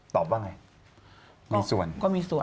ตอบว่าไงมีส่วน